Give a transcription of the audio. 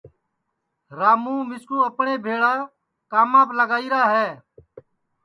راموں مِسکُو اپٹؔے بھیݪا کاماپ لگائیرا ہے